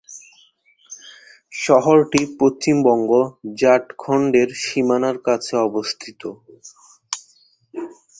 শহরটি পশ্চিমবঙ্গ-ঝাড়খণ্ডের সীমানার কাছে অবস্থিত।